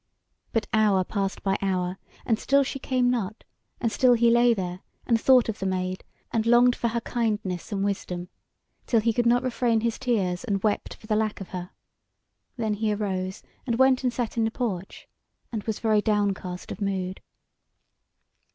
But hour passed by hour, and still she came not; and still he lay there, and thought of the Maid, and longed for her kindness and wisdom, till he could not refrain his tears, and wept for the lack of her. Then he arose, and went and sat in the porch, and was very downcast of mood.